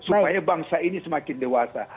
supaya bangsa ini semakin dewasa